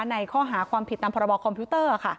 ในข้อหาความผิดตามพรบคอมพิวเตอร์